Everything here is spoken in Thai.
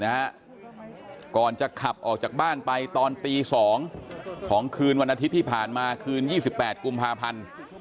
ก่อนจะขับออกจากบ้านไปตอนตี๒ของคืนวันอาทิตย์ที่ผ่านมาคืน๒๘กุมภาพันธ์